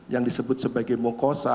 yang disebut sebagai mokosa